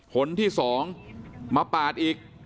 ผลที่๒มาปาดอีก